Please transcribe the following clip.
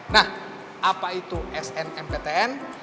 nah apa itu snmptn